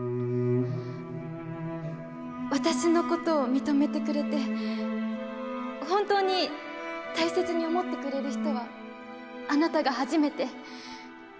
私のことを認めてくれて本当に大切に思ってくれる人はあなたが初めて。